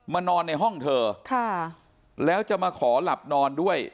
นอนในห้องเธอแล้วจะมาขอหลับนอนด้วย